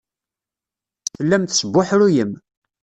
Tellam tesbuḥruyem.